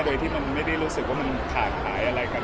โดยที่มันไม่ได้รู้สึกว่ามันขาดหายอะไรกัน